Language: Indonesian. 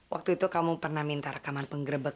waktu itu kamu pernah minta rekaman penggrebek